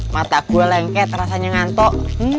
mata gue lengket rasanya ngantuk